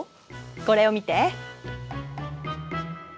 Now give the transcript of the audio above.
これを見て。